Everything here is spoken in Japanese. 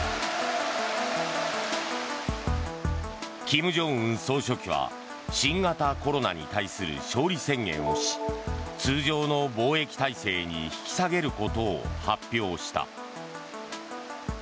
金正恩総書記は新型コロナに対する勝利宣言をし通常の防疫体制に引き下げることを発表した。